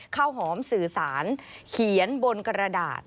ข้าวหอมสื่อสารเขียนบนกระดาษ